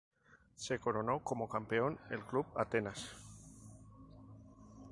Se coronó como campeón el club Atenas.